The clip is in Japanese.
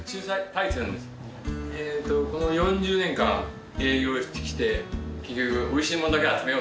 この４０年間営業してきておいしいものだけ集めよう。